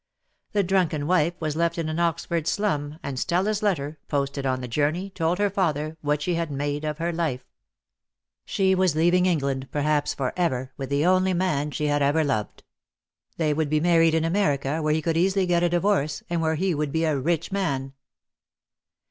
The drunken wife was left in an Oxford slum, and Stella's letter, posted on the journey, told her father what she had made of her life. She was leaving England, perhaps for ever, with the only man she had ever loved. They Dead Love has Chains, 6 82 DEAD LOVE HAS CHAINS. would be married in America, where he could easily get a divorce, and where he would be a rich man.